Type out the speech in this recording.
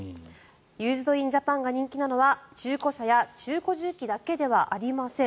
ユーズド・イン・ジャパンが人気なのは中古車や中古重機だけではありません。